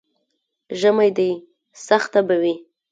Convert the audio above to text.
ژمی دی، سخته به وي.